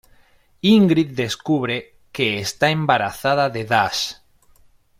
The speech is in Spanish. Ingrid descubre que está embarazada de Dash.